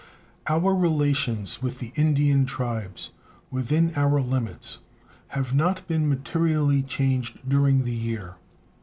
Our relations with the Indian tribes within our limits have not been materially changed during the year.